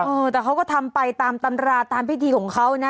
เออแต่เขาก็ทำไปตามตำราตามพิธีของเขานะ